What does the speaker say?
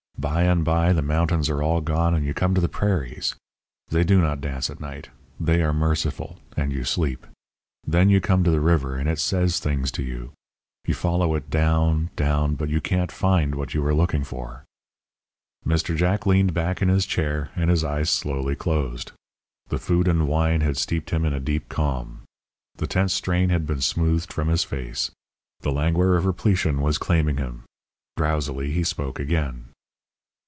By and by the mountains are all gone, and you come to the prairies. They do not dance at night; they are merciful, and you sleep. Then you come to the river, and it says things to you. You follow it down, down, but you can't find what you are looking for." Mr. Jack leaned back in his chair, and his eyes slowly closed. The food and wine had steeped him in a deep calm. The tense strain had been smoothed from his face. The languor of repletion was claiming him. Drowsily he spoke again.